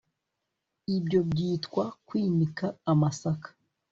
ibyo byitwa kwinika amasaka